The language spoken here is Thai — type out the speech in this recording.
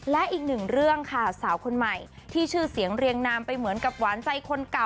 และอีกหนึ่งเรื่องค่ะสาวคนใหม่ที่ชื่อเสียงเรียงนามไปเหมือนกับหวานใจคนเก่า